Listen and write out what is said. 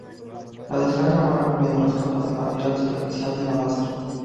La descarga va removiendo las capas de material superficial de la muestra.